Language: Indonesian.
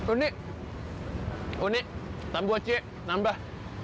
ini ini tambah cuci tambah